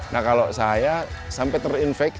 nah kalau saya sampai terinfeksi